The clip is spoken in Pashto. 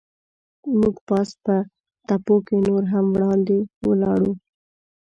موږ پاس په تپو کې نور هم وړاندې ولاړو.